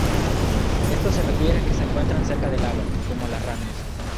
Esto se refiere a que se encuentran cerca del agua, como las ranas.